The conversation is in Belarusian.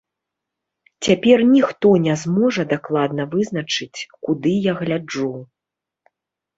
Цяпер ніхто не зможа дакладна вызначыць, куды я гляджу.